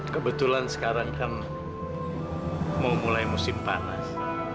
kebetulan sekarang kan mau mulai musim panas